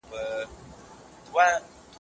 په لویه جرګه کي د مذهبي اقلیتونو ونډه ولي ده؟